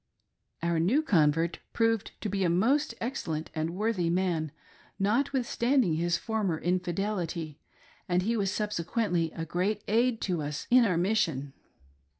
Our new convert proved to be a most excellent and worthy man, notwithstanding his former infidelity, and he was subse quently a great aid to us in our mission.